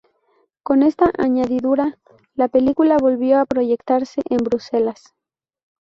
Con esta añadidura, la película volvió a proyectarse en Bruselas.